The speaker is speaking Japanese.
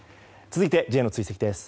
続いてＪの追跡です。